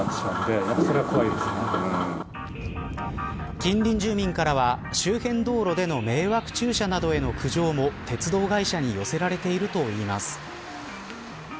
近隣住民からは周辺道路での迷惑駐車などへの苦情も鉄道会社に寄せられているといいます。